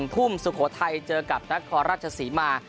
ทุ่มสุโขทัยเจอกับนครราชศรีมา